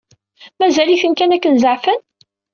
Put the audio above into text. Mazal-iten kan akken zeɛfen?